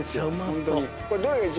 ホントに。